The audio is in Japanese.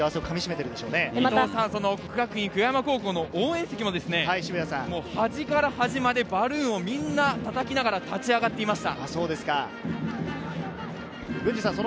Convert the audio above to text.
國學院久我山高校の応援席も、端から端までバルーンをみんな、たたきながら立ち上がっていました。